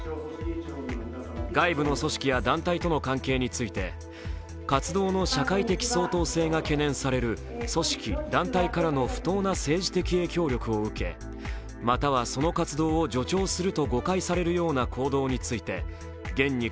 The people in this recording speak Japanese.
外部の組織や団体との関係について活動の社会的相当性が懸念される組織団体からの不当な政治的影響力を受け、またはその活動を助長すると誤解されるような行動について厳に